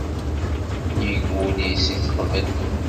Nnig wul-is i t-teqbel.